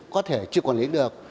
có thể không quản lý được